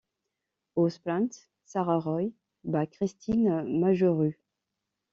Au sprint, Sarah Roy bat Christine Majerus.